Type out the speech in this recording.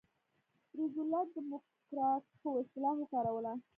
روزولټ د موکراکر اصطلاح وکاروله.